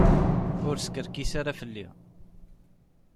Ur skerkis ara fell-i.